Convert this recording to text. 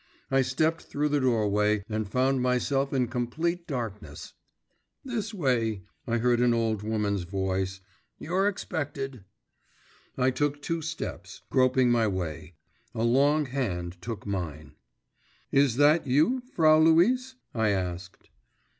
I stepped through the doorway, and found myself in complete darkness. 'This way.' I heard an old woman's voice. 'You're expected.' I took two steps, groping my way, a long hand took mine. 'Is that you, Frau Luise?' I asked.